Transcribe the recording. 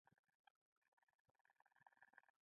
خوږوالی د خوړو لپاره مهم دی.